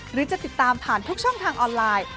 หรือจะติดตามผ่านทุกช่องทางออนไลน์